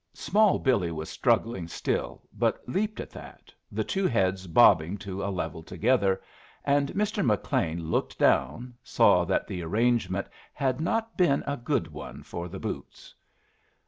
Small Billy was struggling still, but leaped at that, the two heads bobbing to a level together; and Mr. McLean, looking down, saw that the arrangement had not been a good one for the boots.